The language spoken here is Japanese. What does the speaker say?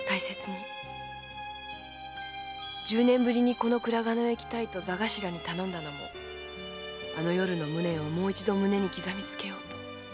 十年ぶりにこの倉賀野へ来たいと座頭に頼んだのもあの夜の無念をもう一度胸に刻みつけようと。